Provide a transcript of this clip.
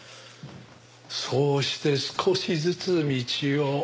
そうして少しずつ道を。